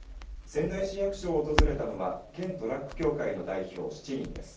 仙台市役所を訪れたのは県トラック協会の代表７人です。